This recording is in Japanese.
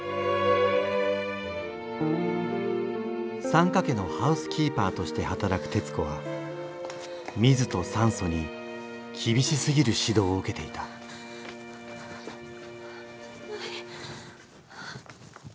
サンカ家のハウスキーパーとして働くテツコはミズとサンソにきびしすぎる指導を受けていたない。